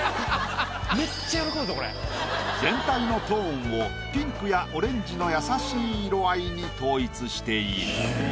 全体のトーンをピンクやオレンジの優しい色合いに統一している。